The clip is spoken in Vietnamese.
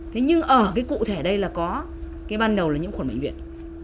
thế nhưng ở cái cụ thể đây là có cái ban đầu là nhiễm khuẩn bệnh viện